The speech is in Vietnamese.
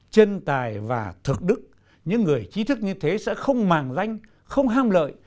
chân tài và thực đức những người trí thức như thế sẽ không màng danh không ham lợi